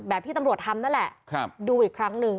ที่ตำรวจทำนั่นแหละดูอีกครั้งหนึ่ง